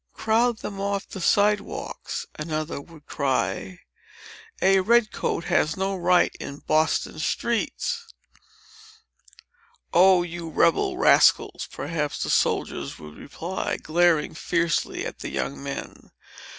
"Crowd them off the side walks!" another would cry. "A red coat has no right in Boston streets." "Oh, you rebel rascals!" perhaps the soldiers would reply, glaring fiercely at the young men.